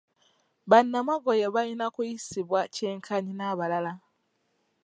Banamagoye balina kuyisibwa kyenkanyi n'abalala.